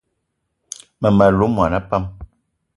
Mmem- alou mona pam